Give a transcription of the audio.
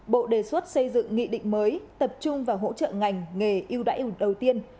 bộ đề xuất xây dựng nghị định mới tập trung vào hỗ trợ ngành nghề ưu đãi đầu tiên